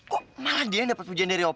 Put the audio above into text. kok malah dia yang dapat pujian dari op